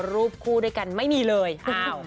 รูปคู่ด้วยกันไม่มีเลย